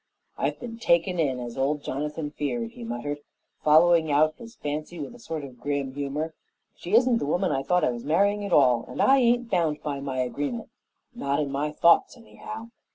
I've been taken in, as old Jonathan feared," he muttered, following out his fancy with a sort of grim humor. "She isn't the woman I thought I was marrying at all, and I aint bound by my agreement not in my thoughts, anyhow.